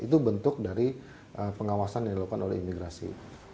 itu bentuk dari pengawasan yang dilakukan oleh imigrasi